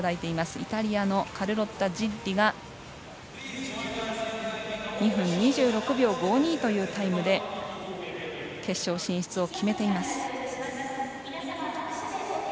イタリアのカルロッタ・ジッリが２分２６秒５２というタイムで決勝進出を決めています。